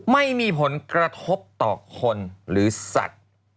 ไม่มีผลกระทบต่อคนหรือสัตว์